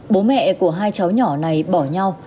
bố mẹ của hai cháu nhỏ này bỏ nhau